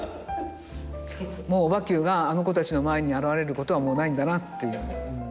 もうオバＱがあの子たちの前に現れることはもうないんだなっていう。